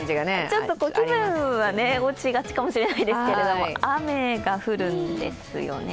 ちょっと気分は落ちがちかもしれないですけれども、雨が降るんですよね。